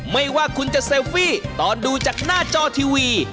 ไม่ว่าคุณจะเซลฟี่ตอนดูจากหน้าจอทีวี